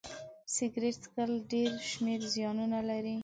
سيګرټ څکول ډيری شمېر زيانونه لري